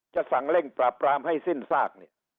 จะสั่งเล่นปราปรามให้สิ้นซาก